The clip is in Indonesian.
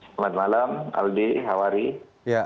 selamat malam aldi hawari